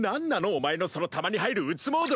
お前のそのたまに入る鬱モード！